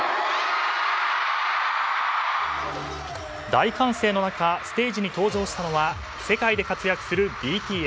大歓声の中ステージに登場したのは世界で活躍するＢＴＳ。